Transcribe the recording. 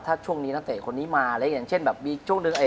ถ้าหลายคนมาแล้วเช่นดู